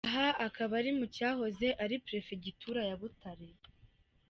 Aha akaba ari mu cyahoze ari Perefegitura ya Butare.